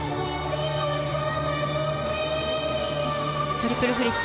トリプルフリップ。